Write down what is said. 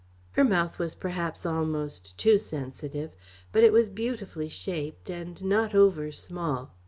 Her mouth was perhaps almost too sensitive, but it was beautifully shaped, and not over small.